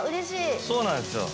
そうなんですよ。